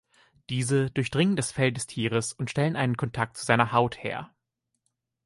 Diese durchdringen das Fell des Tieres und stellen einen Kontakt zu seiner Haut her.